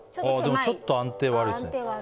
ちょっと安定が悪いですね。